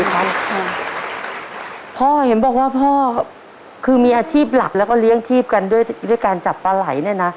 พ่อเห็นบอกว่าพ่อคือมีอาชีพหลักแล้วก็เลี้ยงชีพกันด้วยด้วยการจับปลาไหล่เนี่ยนะ